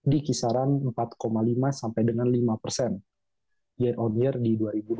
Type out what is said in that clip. di kisaran empat lima sampai dengan lima persen year on year di dua ribu dua puluh